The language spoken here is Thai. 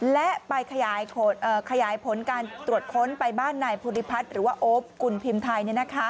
และไปขยายผลการตรวจค้นไปบ้านนายภูริพัฒน์หรือว่าโอ๊ปกุลพิมพ์ไทย